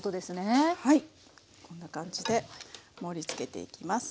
はいこんな感じで盛りつけていきます。